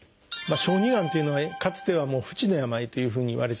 小児がんというのはかつては不治の病というふうにいわれていました。